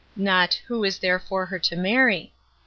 Not, who is there for her to marry?